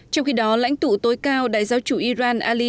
trong khi đó lãnh tụ tối cao đại giáo chủ iran ali